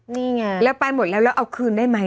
นี่ไงแล้วไปหมดแล้วแล้วเอาคืนได้ไหม